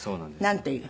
なんという？